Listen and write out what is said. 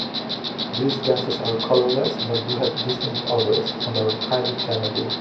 These gases are colourless, but do have distinct odours, and are highly flammable.